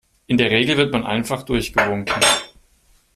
In der Regel wird man einfach durchgewunken.